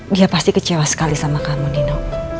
dia pasti kecewa sekali sama kamu dino